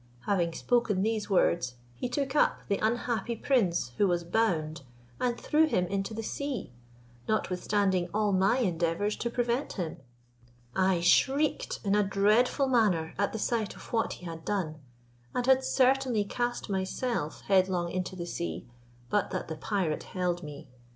Having spoken these words, he took up the unhappy prince, who was bound, and threw him into the sea, notwithstanding all my endeavours to prevent him. I shrieked in a dreadful manner at the sight of what he had done, and had certainly cast myself headlong into the sea, but that the pirate held me.